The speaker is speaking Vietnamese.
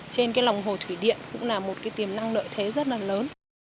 trên lòng hồ thủy điện cũng là một tiềm năng nợi thế rất là lớn